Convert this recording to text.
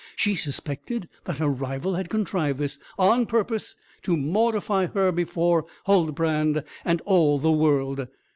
She suspected that her rival had contrived this, on purpose to mortify her before Huldbrand and all the world.